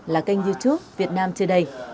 là kênh youtube việt nam today